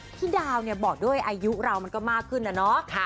พี่ดาวเนี่ยบอกด้วยอายุเรามันก็มากขึ้นนะเนาะ